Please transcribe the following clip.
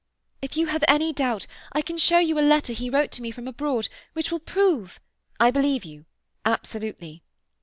"If you have any doubt, I can show you a letter he wrote to me from abroad, which will prove—" "I believe you absolutely."